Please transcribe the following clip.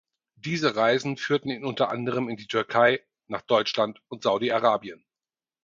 Diese Reisen führten ihn unter anderem in die Türkei, nach Deutschland und Saudi-Arabien.